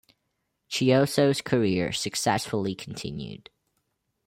Chiosso's career successfully continued.